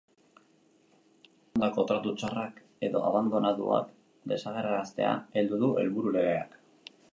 Maskotei emandako tratu txarrak edo abandonuak desagerraraztea du helburu legeak.